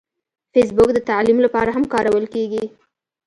فېسبوک د تعلیم لپاره هم کارول کېږي